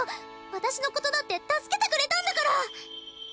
私のことだって助けてくれたんだから！